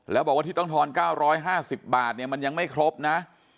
แล้วบอกว่าที่ต้องธอนก้าวร้อยห้าสิบบาทเนี่ยมันยังไม่ครบนะ